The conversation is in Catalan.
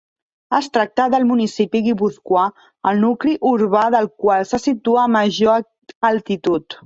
Es tracta del municipi guipuscoà el nucli urbà del qual se situa a major altitud.